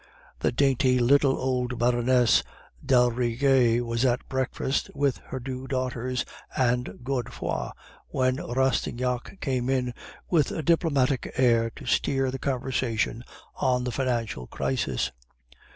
"The dainty little old Baroness d'Aldrigger was at breakfast with her two daughters and Godefroid, when Rastignac came in with a diplomatic air to steer the conversation on the financial crisis.